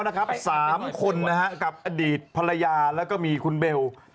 ๓คนกับอดีตภรรยาแล้วก็มีคุณเบล